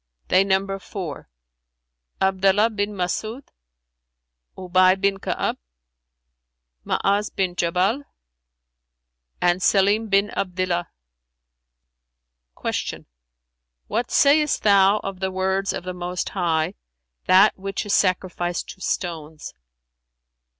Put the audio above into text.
"They number four, Abdallah bin Mas'ϊd, Ubay bin Ka'ab, Ma'az bin Jabal and Sαlim bin Abdillah." Q "What sayest thou of the words of the Most High, 'That which is sacrificed to stones'"?